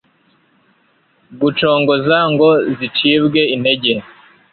gucogozwa ngo zicibwe intege